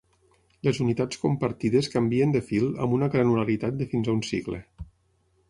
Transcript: Les unitats compartides canvien de fil amb una granularitat de fins a un cicle.